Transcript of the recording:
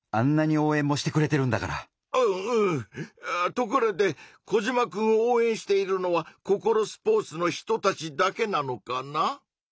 ところでコジマくんを応えんしているのはココロスポーツの人たちだけなのかな？